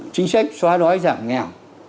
chính sách xóa đói giảm nghèo